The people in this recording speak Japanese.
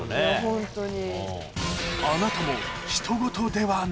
ホントに。